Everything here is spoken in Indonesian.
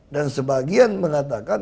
dan sebagian mengatakan